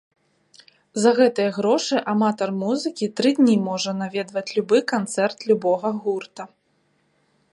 За гэтыя грошы аматар музыкі тры дні можа наведваць любы канцэрт любога гурта.